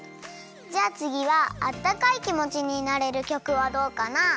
じゃあつぎはあったかいきもちになれるきょくはどうかな？